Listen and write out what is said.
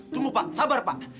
tunggu pak sabar pak